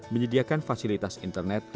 menyediakan fasilitas internetnya